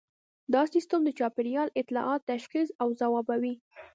دا سیستم د چاپیریال اطلاعات تشخیص او ځوابوي